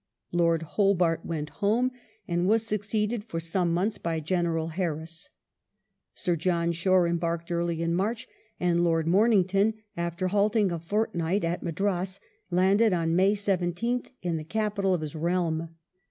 Lord Hobart went home and was succeeded for some months by General Harris. Sir John Shore embarked early in March, and Lord Momington, after halting a fortnight at Madras, landed on May 17th in the capital of his realm.